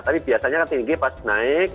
tapi biasanya kan tinggi pas naik